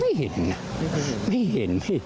ไม่เห็นนะไม่เห็นสิ